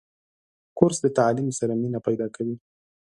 کورس د تعلیم سره مینه پیدا کوي.